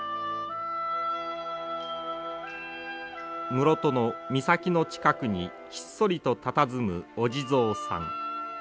室戸の岬の近くにひっそりとたたずむお地蔵さん。